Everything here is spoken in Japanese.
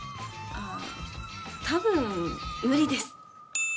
ああ多分無理です。